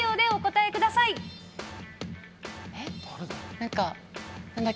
えっ？